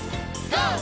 ＧＯ！